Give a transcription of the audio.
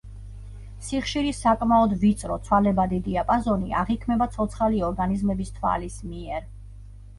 სიხშირის საკმაოდ ვიწრო, ცვალებადი დიაპაზონი აღიქმება ცოცხალი ორგანიზმების თვალის მიერ.